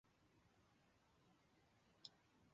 无柄鳞毛蕨为鳞毛蕨科鳞毛蕨属下的一个种。